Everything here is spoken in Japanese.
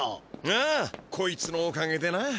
ああこいつのおかげでな。